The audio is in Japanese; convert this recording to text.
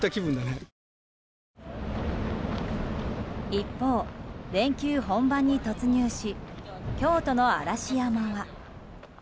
一方、連休本番に突入し京都の嵐山は。